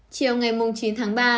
chiều ngày chín tháng ba